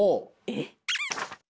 えっ！